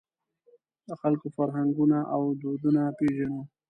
د خلکو فرهنګونه او دودونه پېژنو.